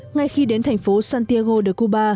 ngay khi đến thành phố santiago de cuba